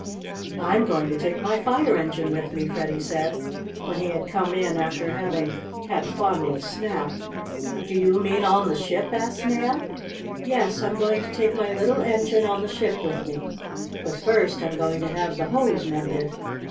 "I'm going to take my fire engine with me," Freddie said, when he had come in after having had fun with Snap. "Do you mean on the ship?" asked Nan. "Yes; I'm going to take my little engine on the ship with me. But first I'm going to have the hose mended."